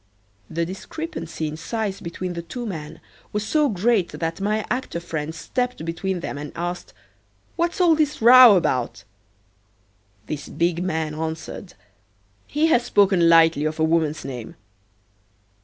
The discrepancy in size between the two men was so great that my actor friend stepped between them and asked, "What's all this row about?" The big man answered: "He has spoken lightly of a woman's name."